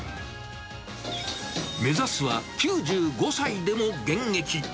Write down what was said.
目指すは９５歳でも現役！